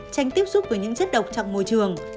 tránh tiếp xúc với những chất độc trong môi trường